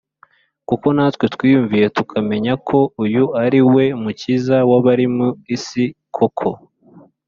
kuko natwe twiyumviye tukamenya ko uyu ari we Mukiza w’abari mu isi koko